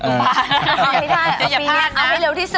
เอาให้เร็วที่สุด